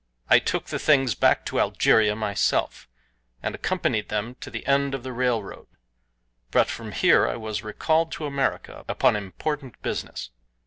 I took the things back to Algeria myself, and accompanied them to the end of the railroad; but from here I was recalled to America upon important business.